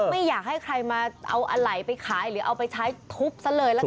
ไม่อยากให้ใครมาเอาอะไหล่ไปขายหรือเอาไปใช้ทุบซะเลยละกัน